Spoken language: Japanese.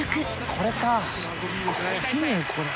これか！